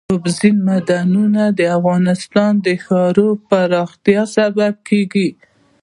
اوبزین معدنونه د افغانستان د ښاري پراختیا سبب کېږي.